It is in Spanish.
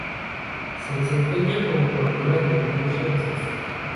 Se desempeña como corredora de bienes raíces.